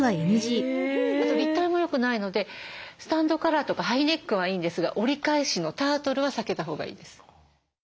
あと立体もよくないのでスタンドカラーとかハイネックはいいんですが折り返しのタートルは避けたほうがいいです。